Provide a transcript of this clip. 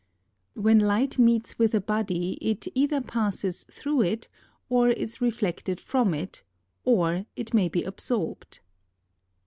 6. When light meets with a body, it either passes through it, or is reflected from it, or it may be absorbed.